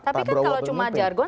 tapi kan kalau cuma jargon